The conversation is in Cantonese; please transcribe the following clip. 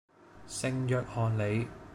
聖約翰里